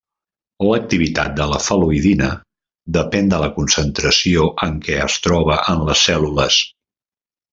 L'activitat de la fal·loïdina depèn de la concentració en què es troba en les cèl·lules.